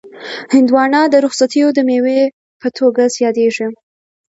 هندوانه د رخصتیو د مېوې په توګه یادیږي.